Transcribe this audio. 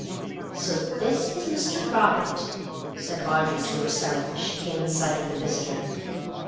"So this is Mr. Robert," said Audrey to herself, as she came in sight of the visitor.